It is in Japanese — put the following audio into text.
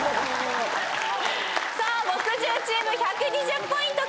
さあ木１０チーム１２０ポイント